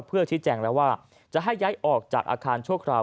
เพื่อชี้แจงแล้วว่าจะให้ย้ายออกจากอาคารชั่วคราว